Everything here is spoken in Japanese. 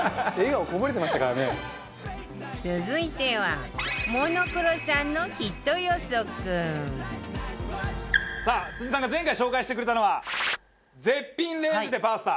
続いては『ＭＯＮＯＱＬＯ』さんのヒット予測さあ辻さんが前回紹介してくれたのは絶品レンジでパスタ。